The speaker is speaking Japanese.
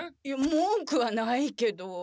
いやもんくはないけど。